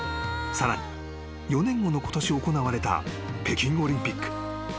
［さらに４年後のことし行われた北京オリンピック］